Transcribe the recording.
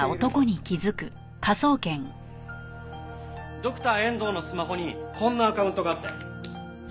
ドクター遠藤のスマホにこんなアカウントがあったよ。